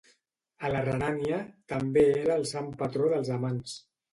A la Renània, també era el sant patró dels amants.